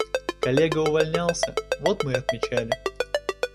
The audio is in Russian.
Коллега увольнялся, вот мы и отмечали.